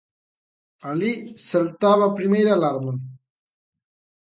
Alí saltaba a primeira alarma.